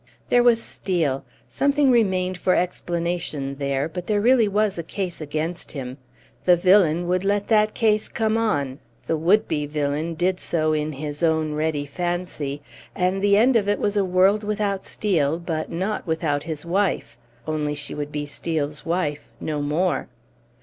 There was Steel. Something remained for explanation there, but there really was a case against him. The villain would let that case come on; the would be villain did so in his own ready fancy, and the end of it was a world without Steel but not without his wife; only, she would be Steel's wife no more.